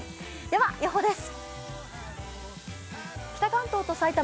では予報です。